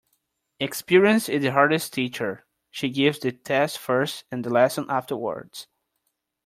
Experience is the hardest teacher. She gives the test first and the lesson afterwards.